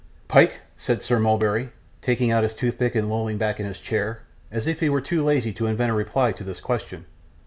'Pyke,' said Sir Mulberry, taking out his toothpick and lolling back in his chair, as if he were too lazy to invent a reply to this question.